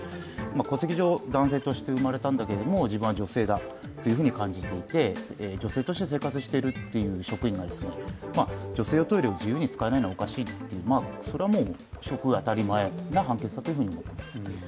戸籍上、男性として生まれたんだけれども自分は女性だと感じていて、女性として生活しているという職員が女性用トイレを自由に使えないのはおかしいそれはもう当たり前の判決だと思っています。